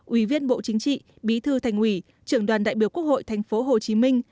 ủy viên bộ chính trị bí thư thành ủy trưởng đoàn đại biểu quốc hội tp hcm